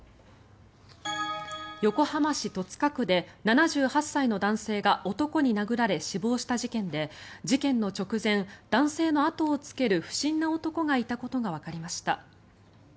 横浜市戸塚区で７８歳の男性が男に殴られ死亡した事件で事件の直前、男性の後をつける不審な男がいたことがわかりました。